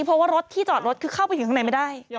เพราะว่าที่จอดรถเข้าไปถึงทางไหนไม่ได้